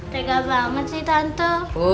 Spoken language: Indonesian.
tegak banget sih tante